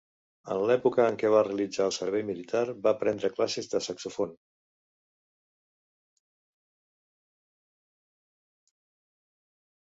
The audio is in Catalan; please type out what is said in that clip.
En l'època en què va realitzar el servei militar va prendre classes de saxofon.